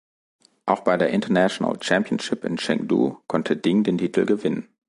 Auch bei der International Championship in Chengdu konnte Ding den Titel gewinnen.